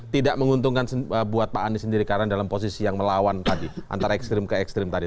tidak menguntungkan buat pak anies sendiri karena dalam posisi yang melawan tadi antara ekstrim ke ekstrim tadi